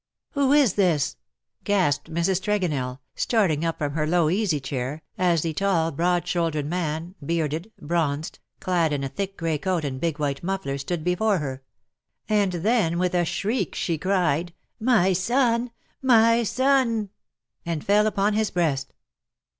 '^ Who is this T' gasped Mrs. Tregonell^ starting up from her low easy chair, as the tall broad shouldered man, bearded, bronzed, clad in a thick grey coat and big white muffler, stood before her; and then with a shriek she cried, " My son ! My son !^' and fell upon his breast.